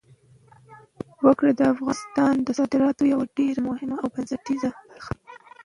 وګړي د افغانستان د صادراتو یوه ډېره مهمه او بنسټیزه برخه ده.